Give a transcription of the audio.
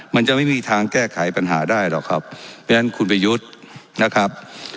มันจะไม่มีทางแก้ไขปัญหาได้หรอกครับเพราะฉะนั้นคุณประยุทธ์นะครับ